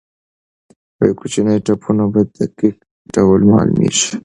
کوچني ټپونه په دقیق ډول معلومېږي.